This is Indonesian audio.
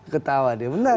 ketawa dia benar